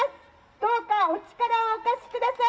どうかお力をお貸しください。